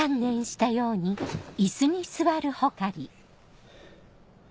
ハァ。